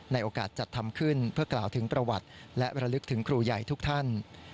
โอกาสจัดทำขึ้นเพื่อกล่าวถึงประวัติและระลึกถึงครูใหญ่ทุกท่าน